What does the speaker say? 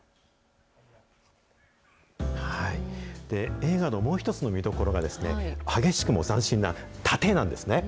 映画のもう一つの見どころがですね、激しくも斬新なタテなんですね。